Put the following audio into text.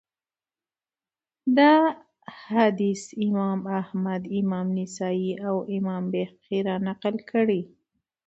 دا حديث امام احمد امام نسائي، او امام بيهقي را نقل کړی